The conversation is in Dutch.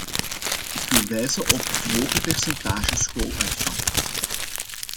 Ik wil wijzen op het hoge percentage schooluitval.